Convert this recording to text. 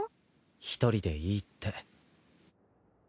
１人でいいって。